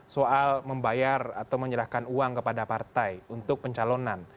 soal membayar atau menyerahkan uang kepada partai untuk pencalonan